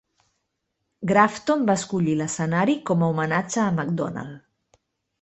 Grafton va escollir l'escenari com a homenatge a Macdonald.